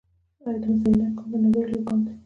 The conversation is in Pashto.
آیا د مس عینک کان د نړۍ لوی کان دی؟